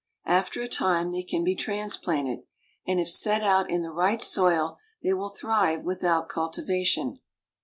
After a time they can be transplanted, and if set out in the right soil they will thrive without cultivation.